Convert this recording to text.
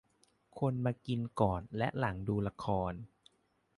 คนมากินก่อนและหลังดูละคร